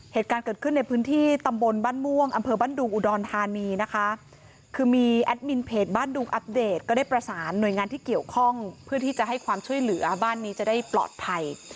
เหตุการณ์เกิดขึ้นในพื้นที่ตำบลบ้านม่วงอำเภอบ้านดุงอุดรธานีนะคะคือมีแอดมินเพจบ้านดุงอัปเดตก็ได้ประสานหน่วยงานที่เกี่ยวข้องเพื่อที่จะให้ความช่วยเหลือบ้านนี้จะได้ปลอดภัย